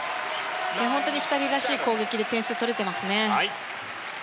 本当に２人らしい攻撃で点数が取れていますね。